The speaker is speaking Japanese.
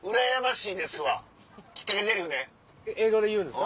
英語で言うんですか？